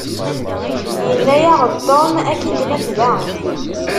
Yenna-yaɣ-d Tom ad k-id-naf da.